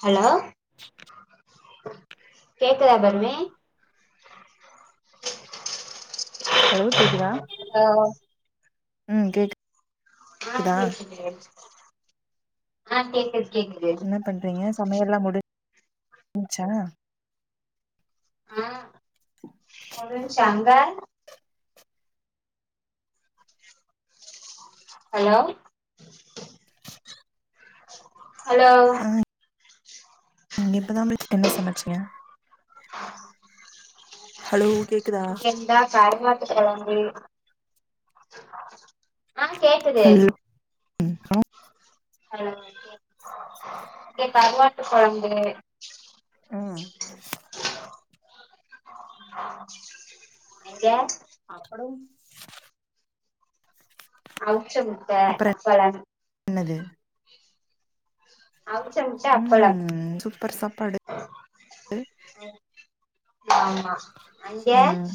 hello கேக்குதா பர்ணி [inaudible] hello கேக்குதா hello ம் கேக்கு ஆ கேக்குது ஒச் ஆ கேக்குது‌ கேக்குது ன்ன பண்றீங்க சமையல்லா முடி ஞ்ச்சா ஆ முடிஞ்சங்க ஹலோ ஹலோ நீ இப்பதா என்ன சமைச்சிங்க ஹலோ கேக்குதா இல்ல இந்த கருவாட் டு கொழம்பு ஆ கேக்குது ம் கனா ஹலோ கேக் இங்க கருவாட்டு கொழம்பு [inaudible] ம் கேஸ் அப்படம் அவுச்ச முட்ட அப்பளம் இன்னது அவுச்ச முட்ட அப்பளம் ம் சூப்பர் சாப்பாடு ஆமா அங்க ம்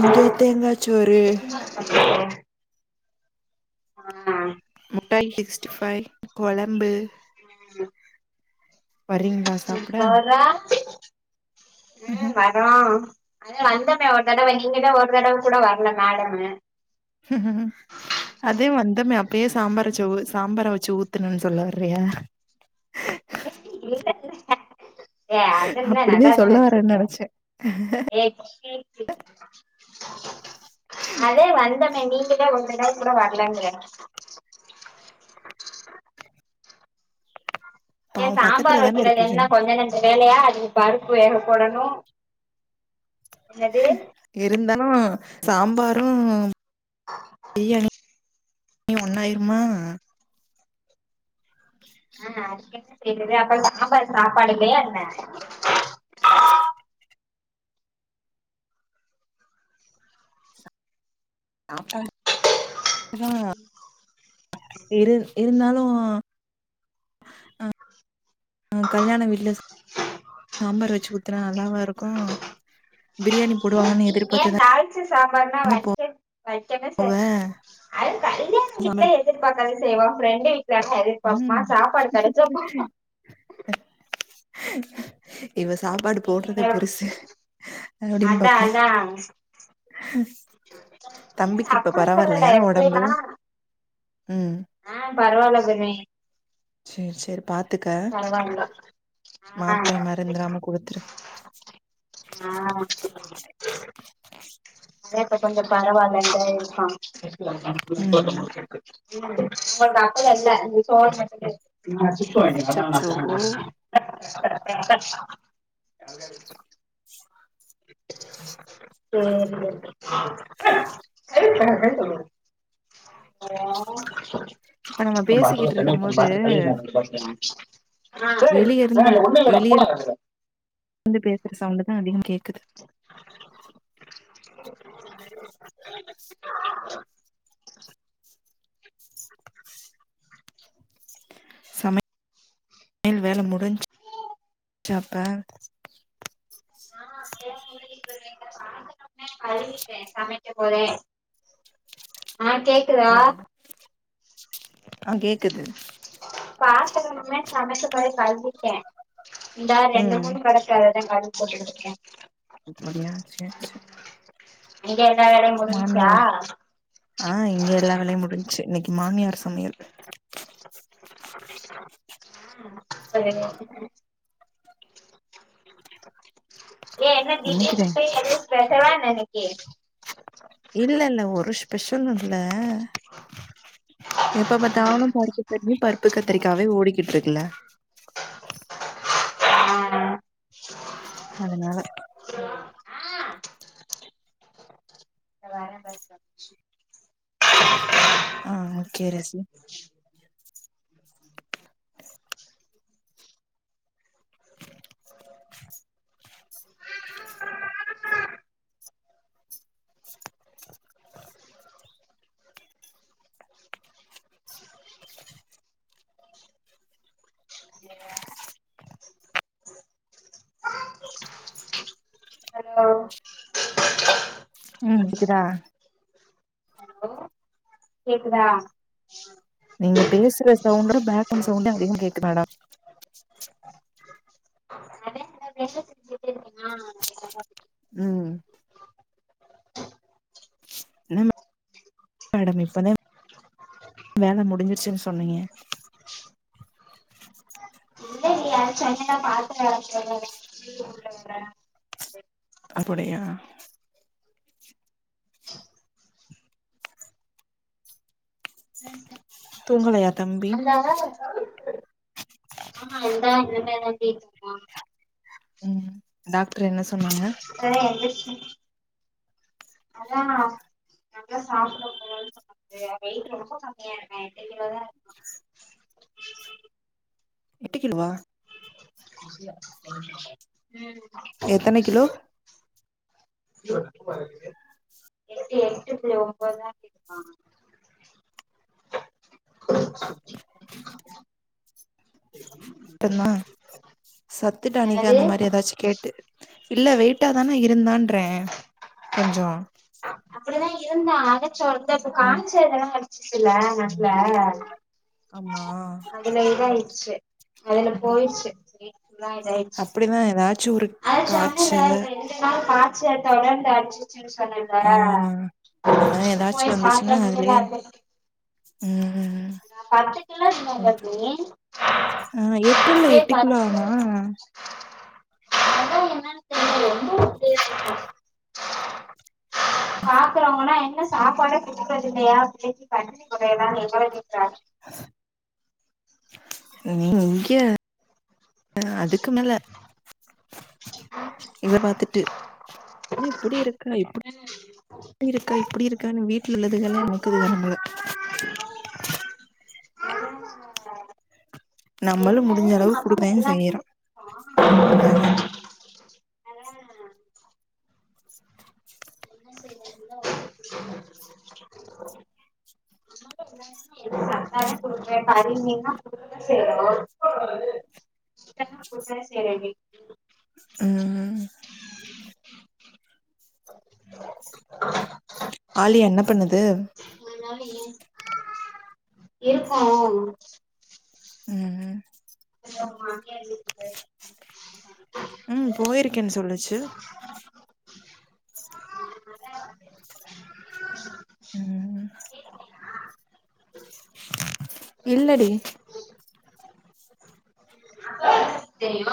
இங்க தேங்கா சோறு ஒ ம் முட்டை சிக்ஸ்டி ஃபைவ் கொழம்பு வர்றீங்களா சாப்ட பார்றா ம் [unintelligible] அப்புறம் அது வந்தமே ஒரு தடவ நீங்கதா ஒரு தடவ கூட வரல மேடமு ம் அதே வந்தமே அப்பயே சாம்பாரச்ச சாம்பார வச்சு ஊத்துணு சொல்ல வறியா இ [unintelligible] ஏ அது என்ன நல்ல அப்டின்னு தானோ சொல்ல வரேன்னு வச்சிருந்த நெனச்சே ஏய் பஸ்ட் அத வந்தமே நீங்க தா ஒருதடவ கூட வரலங்கிற ஏ பாவோ சாம்பார் பக்கத்துல தான வைக்கிறது இருக்கீங்க என்ன கொஞ்ச நெஞ்ச வேலயா அதுக்கு பருப்பு வேகப்போடணு என்னது இருந்தாலும் சாம்பாரும் பிரியாணி ஒண்ணாயிரமா ஆ அதுக்கென்ன செய்யறது அப்பற சாம்பார் சாப்பாடு இல்லையா என்ன சாப்பாட் இரு இருந்தாலு அ கல்யாண வீட்ல சாம்பார் வெச்சி ஊத்துனா நல்லாவா இருக்கு பிரியாணி போடுவாங்கன்னு எதிர்பார்த்துதா சாப்பான வந்து பட்டுனு போவ செஞ் அது [unintelligible] கல்யாண வீட்ல சாம்பார் எதிர்பாக்காத செய்வோ ஃப்ரெண்ட ம் [unintelligible] சாப்பாடு கெடச்சொ இவ சாப்பாடு நீ போட்றதே எங்கள பெருசு அப்டின் அதா பாப்பியா அதா இல்ல தம்பிக்கு இப்ப அப்டி சொல்லல பரவால்லையா ஒடம்பு எப்டின்னா ம் ஆ பரவாயில்ல பமி செரி செரி பாத்துக்க பரவால்ல ஆ ஆ மாத்தர மறந்தராம குடுத்துரு ஆ சேட்ட கொஞ்சொ பரவாயில்ல தா இருப்பா ம் [unintelligible] எங்க அப்பா எல்ல நீ போன் பண்ணி கேட்டுக் [unintelligible] அச்சச்சோ [unintelligible] செரி இப்ப நம்ம [unintelligible] பாட்டல்ல பேசிக்கிட்டு தண்ணி இருக்கும் போது இருக்கு பாட்டில் கழுவிக்கினு வரனோ [unintelligible] வெளியே இருந்த வெளியே வந்து பேசுற சவுண்ட தா அதிகம கேக்குது [inaudible] சம சமயல் வேல முடிஞ் அப்ப [unintelligible] கழுவிட்ட சமைக்கும் போதே ஆ கேக் இருக்கற அ கேக்குது பாத்தரமுமே சமைக்க போய் கழுவிட்டே இந்த ரெண்டு ம் மூணு கெடக்கு அ த கழுவி போட்டுகிட்டு இருக்கே அப்படியா செ செ அங்க எல்லா வேலையு முடுஞ்ச்சா மாமியார் ஆ இங்க எல்லா வேலையு முடிஞ்ச்சு இன்னிக்கி மாமியார் சமையல் ம் செரிங்க ஏ என்ன என்னைக்குதே திடிர்னுட்டு எதுவு ஸ்பெஷலா என்ன இன்னைக்கு இல்லல்ல ஒரு ஸ்பெஷலு இல்ல எப்ப பாத்தாலு பருப்பு சட்னி பருப்பு கத்திரிக்காவே ஓடிக்கிட்டுக்குல ஆ அதனால ஆ வர [unintelligible] ஆ ஓக்கே அரசி ஹலோ ம் க்குதா கேக்குதா நீங்க பேசுற சவுண்டு பேக் ரவுண் சவுண்டு அதிக கேக்கு மேடம் இப்ப என்ன செஞ்சிட்டே இருக்கீங்க [unintelligible] ம் என்ன மேடம் இப்ப தா வேல முடிஞ்சிருச்சுன் சொன்னீங்க [unintelligible] பாத்தர [unintelligible] வீடு கூட்ற வேல அப்படியா தூங்கலையா தம்பி வந்ததா [unintelligible] ம் டாக்ட்ரு என்ன சொன்னாங்க அ எது [unintelligible] கல்யாணோ இப்ப தா சாப்ட [unintelligible] இது வெயிட் ரொம்ப கம்மியா இருக்கா எட்டு கிலோ தா எட்டு கிலோவா எத்தன ம் கிலோ [unintelligible] எட்டு எட்டு புள்ளி ஒன்பதா [unintelligible] [unintelligible] ட்டுந்தா சத்து டானிக்கு அந்த என்னது மாரி ஏதாச்சு கேட்டு இல்ல வெயிட்டா தான இருந்தான்றே கொஞ்சோ அப்டிதா இருந்தா அத சொல்றதுக்கா ம் [unintelligible] ஆம்மா அதுல இதாயிடுச்சு அதுல போயிருச்சு வெயி ஃபுல்லா இதாயிச்சு அப்டிதா ஏதாச்சு ஒரு அதா காச்ச சொன்னேல்ல [unintelligible] [unintelligible] காச்சல் தொடர்ந்து அடிச்சிச்சுன் சொன்ன ஆ ல்ல அதா ஏதாச்சு போயி பாத்தம் [unintelligible] ம் ம் பத்து கிலோ இருந்தா ஆ [unintelligible] எப்பல்ல சேரி எட்டு பத்து கிலோ ஆனா இருக்கா அதா என்னன் தெரில எந்த [inaudible] பாக்குறவங்களா என்ன சாப்பாடே குடுக்குரது இல்லையா அப்பிடினு பண்ணி எல்லா எங்கள கேக்குராங்க நீ இங்க அதுக்கு மேல இத பாத்துட்டு இ இப்டி இருக்கா இப்படி இப்டி இருக்கா இப்டி இருக்கானு வீட்டுல உள்ளதுக்கல்லா நோக்குது க நம்மள ம் நம்மளு என்னதே முடிஞ்ச அளவு நம்மளு குடுக்கத்தா எல்லாமே செய்யிறோ அதானே என்ன செய்யணு [unintelligible] சத்தான குடுக்குர கரி மீன்லா குடுக்க தா செய்யினு சிக்கன்லா குடுக்குர [unintelligible] ம் ஆலியா என்ன பண்ணுது இருக்கு ஆ ஆ ம் ம் என் மாமியார் வீட்டுக்கு ம் போயிருக்கேன்னு சொல்லிச்சு ம் இல்லடி தெரியு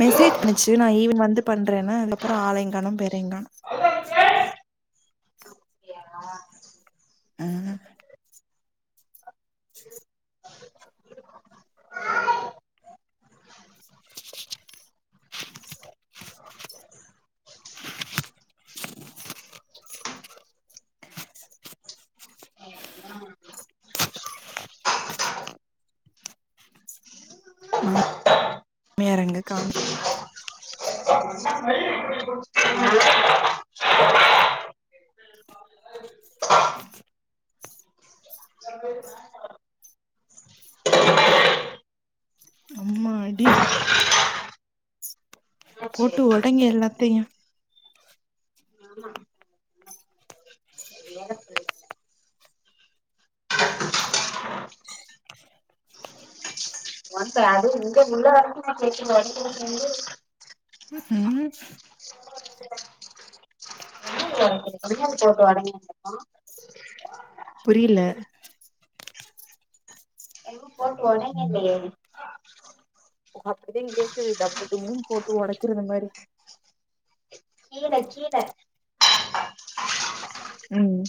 மெசேஜ் பண்ணிச்சு நா ஈவின் வந்து பண்றேனு அதுக்கப்புறோ ஆளைங்கானோ பெரையுங்கானோ கேக்குதா ம் [unintelligible] [inaudible] [inaudible] மாமியார் எங்க காண் [unintelligible] சண்டே மேச்சா ஆடி என்னாச்சு போட்டு ஓடைங்க எல்லாத்தையு ஆமா வேல புள்ளைகள்ல ஒ அது உங்க உள்ள வரைக்கு கேக்குது ஒடைக்கிற சவுண்டு ம் [unintelligible] போட்டு ஒடைக்கிர சத்தோ புரியல எதுவு போட்டு ஒடைக்கிலேயே அப்டினு கேக்குது டப்பு டும்மு போட்டு ஒடைக்கிற இந்த மாரி கீழ கீழ ம்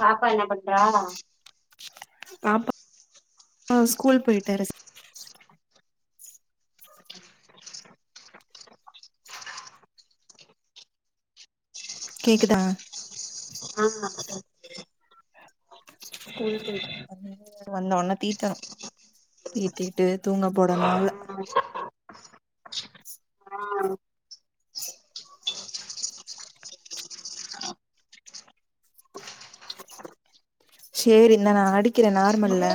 பாப்பா என்ன பண்றா பாப்பா ஸ்கூல் போயிட்டா [unintelligible] கேக்குதா ஆ கேக்குது ஸ்கூல் போய் வந்த உடனே தீட்டான் தீட்டிட்டு தூங்க போடணும் ஆள ஆ செர் செரி இந்த நா அடிக்கிற நார்மல்ல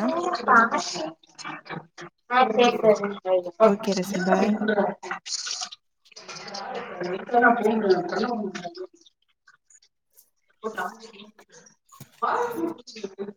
அ செரி செரி [inaudible] கூப்டாச்சி [inaudible]